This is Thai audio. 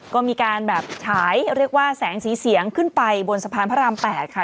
ก็มีการแบบฉายเรียกว่าแสงสีเสียงขึ้นไปบนสะพานพระราม๘ค่ะ